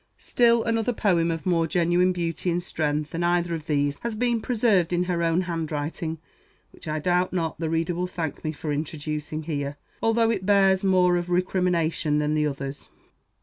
Still another poem, of more genuine beauty and strength than either of these, has been preserved in her own handwriting, which I doubt not the reader will thank me for introducing here, although it bears more of recrimination than the others.